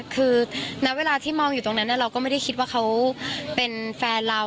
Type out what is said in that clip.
คือณเวลาที่มองอยู่ตรงนั้นเราก็ไม่ได้คิดว่าเขาเป็นแฟนเรา